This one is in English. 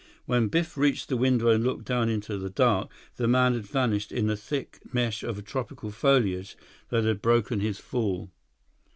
When Biff reached the window and looked down into the dark, the man had vanished in the thick mesh of tropical foliage that had broken his fall.